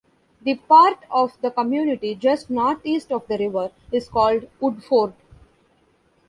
The part of the community just north-east of the river is called Woodford.